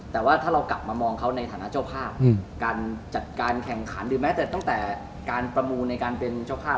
แต่ว่าถ้าเรากลับมามองเขาในฐานะเจ้าภาพการจัดการแข่งขันหรือแม้แต่ตั้งแต่การประมูลในการเป็นเจ้าภาพ